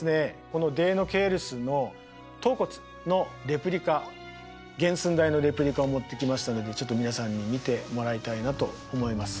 このデイノケイルスの頭骨のレプリカ原寸大のレプリカを持ってきましたのでちょっと皆さんに見てもらいたいなと思います。